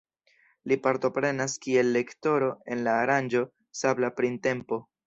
Li partoprenas kiel lektoro en la aranĝo Sabla Printempo.